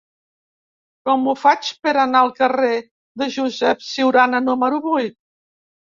Com ho faig per anar al carrer de Josep Ciurana número vuit?